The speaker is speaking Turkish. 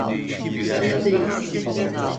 Sana değil.